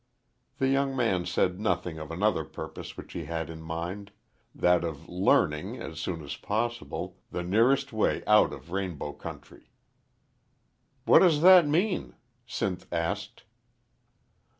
The young man said nothing of another purpose which he had in mind that of learning, as soon as possible, the nearest way out of the Rainbow country. "What does that mean?" Sinth asked.